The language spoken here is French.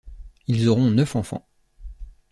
Ils auront neuf enfants.